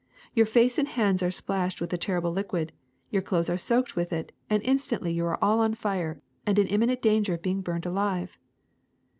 Your face and hands are splashed with the terrible liquid, your clothes are soaked with it, and instantly you are all on fire and in imminent danger of being burned alive.